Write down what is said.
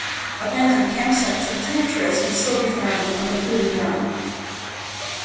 Abandoned campsites and tank trails can still be found on the proving ground.